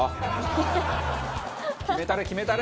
決めたれ決めたれ！